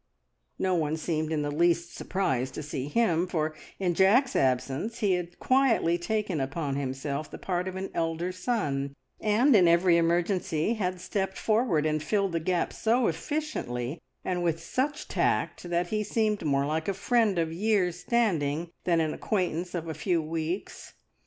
No one seemed in the least surprised to see him, for in Jack's absence he had quietly taken upon himself the part of an elder son, and in every emergency had stepped forward and filled the gap so efficiently and with such tact that he seemed more like a friend of years' standing than an acquaintance of a few weeks.